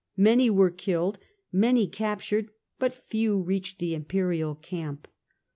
Many were killed, many captured, but few reached the Imperial camp.